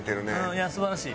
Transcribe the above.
いや素晴らしい！